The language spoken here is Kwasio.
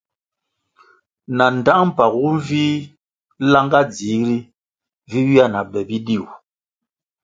Na ndtang mpagu nvih langah dzihri vi ywia na be bidiu.